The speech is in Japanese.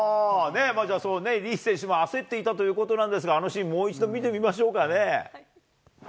リーチ選手も焦っていたということなんですが、あのシーン、もう一度見てみましょうかね。